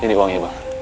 ini uangnya bang